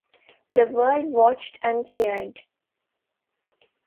The world watched and cheered.